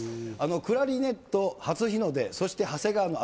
クラリネット、初日の出、そして長谷川の頭。